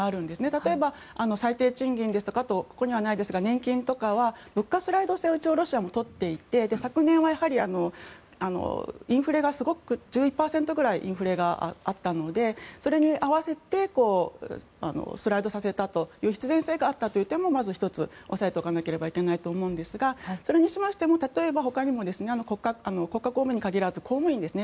例えば最低賃金ですとかここにはないですが年金とかは物価スライド制を一応、ロシアも取っていて昨年はやはり１１％ぐらいインフレがあったのでそれに合わせてスライドさせたという必然性があったという点もまず１つ、押さえておかなければいけないと思うんですがそれにしましてもほかにも国家公務員に限らず公務員ですね